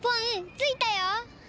ついたよ！